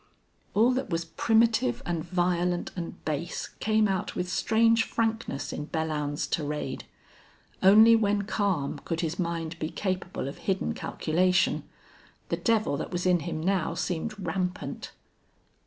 All that was primitive and violent and base came out with strange frankness in Belllounds's tirade. Only when calm could his mind be capable of hidden calculation. The devil that was in him now seemed rampant.